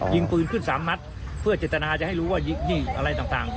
ยิงปืนขึ้นสามนัดเพื่อเจตนาจะให้รู้ว่ายิงอะไรต่าง